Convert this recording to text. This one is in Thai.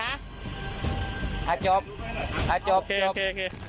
เอาจบโอเค